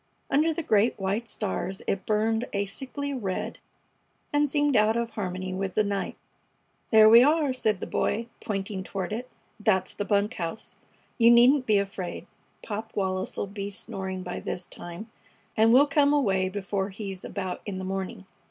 Under the great white stars it burned a sickly red and seemed out of harmony with the night. "There we are!" said the Boy, pointing toward it. "That's the bunk house. You needn't be afraid. Pop Wallis 'll be snoring by this time, and we'll come away before he's about in the morning.